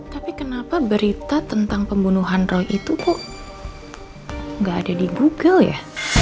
tapi kenapa berita tentang pembunuhan roy itu kok nggak ada di google ya